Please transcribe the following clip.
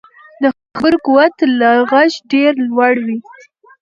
د خبرو قوت له غږ ډېر لوړ وي